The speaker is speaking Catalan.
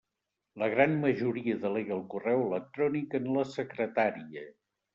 La gran majoria delega el correu electrònic en la secretària.